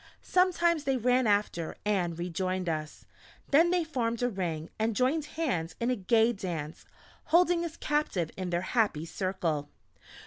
Sometimes they ran after, and rejoined us. Then they formed a ring and joined hands in a gay dance, holding us captive in their happy circle.